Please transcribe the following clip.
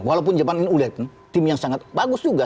walaupun jepang ini ulet tim yang sangat bagus juga